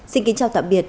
xin kính chào tạm biệt